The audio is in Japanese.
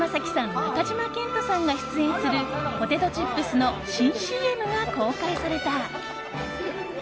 中島健人さんが出演するポテトチップスの新ＣＭが公開された。